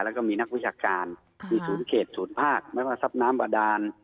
แล้วก็มีนักวิชาการมีศูนย์เขตศูนย์ภาคไม่ว่าทรัพย์น้ำบาดาน